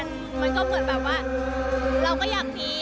พวกคู่กันไปแล้วเพื่อนได้เห็นความน่ารักของลูกเรามันก็เป็นอะไรที่ส่งเสริมกัน